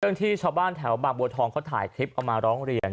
ที่ชาวบ้านแถวบางบัวทองเขาถ่ายคลิปเอามาร้องเรียน